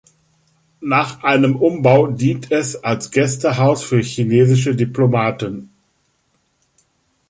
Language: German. Nach einem Umbau dient es als Gästehaus für chinesische Diplomaten.